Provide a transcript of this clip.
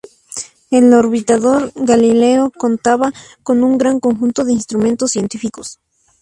El orbitador Galileo contaba con un gran conjunto de instrumentos científicos.